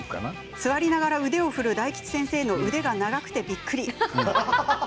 座りながら腕を振る大吉先生の腕が長くてびっくり。